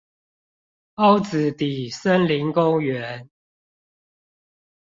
凹子底森林公園